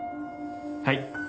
はい。